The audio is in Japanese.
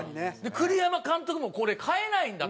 栗山監督もこれ代えないんだと。